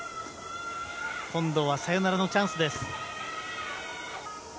今度はサヨナラのチャンスです。